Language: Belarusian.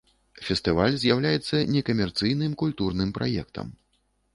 Фестываль з'яўляецца некамерцыйным культурным праектам.